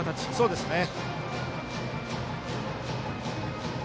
そうですね。